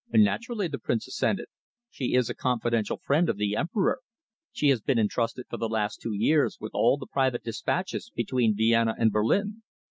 "Naturally," the Prince assented. "She is a confidential friend of the Emperor. She has been entrusted for the last two years with all the private dispatches between Vienna and Berlin."